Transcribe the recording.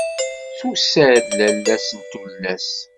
Tusa-d lala-s n tullas.